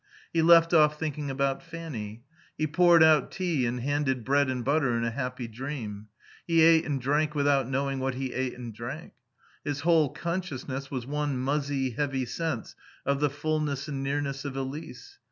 He left off thinking about Fanny. He poured out tea and handed bread and butter in a happy dream. He ate and drank without knowing what he ate and drank. His whole consciousness was one muzzy, heavy sense of the fullness and nearness of Elise.